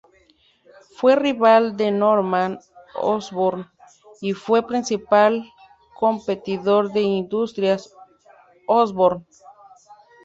Fue rival de Norman Osborn y fue el principal competidor de Industrias Osborn.